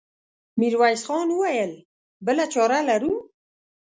ميرويس خان وويل: بله چاره لرو؟